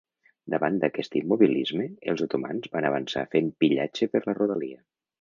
Davant d'aquest immobilisme, els otomans van avançar fent pillatge per la rodalia.